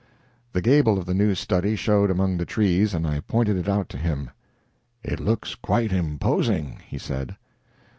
The gable of the new study showed among the trees, and I pointed it out to him. "It looks quite imposing," he said.